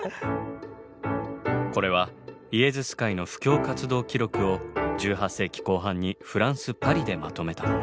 これはイエズス会の布教活動記録を１８世紀後半にフランス・パリでまとめたもの。